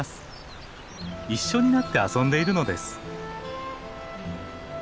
一緒になって遊んでいるのです。